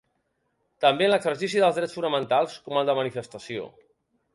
També en l’exercici dels drets fonamentals com el de manifestació.